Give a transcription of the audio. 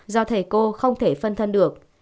do thầy cô không thể phân thân được